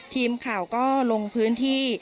ทีมข่าวก็ลงพื้นที่